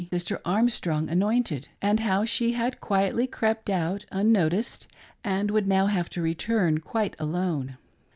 85 Sister Armstrong anointed ; and how she had quietly crept out unnoticed, and would now have to return quite alone."